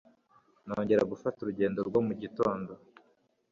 Nongeye gufata urugendo rwo mu gitondo